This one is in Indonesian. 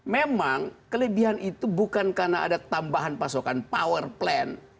memang kelebihan itu bukan karena ada tambahan pasokan power plan